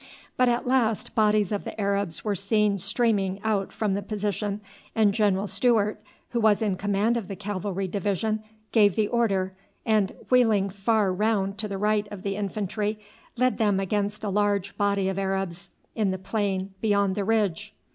But at last bodies of the Arabs were seen streaming out from the position, and General Stewart, who was in command of the cavalry division, gave the order, and, wheeling far round to the right of the infantry, led them against a large body of Arabs in the plain beyond the ridge.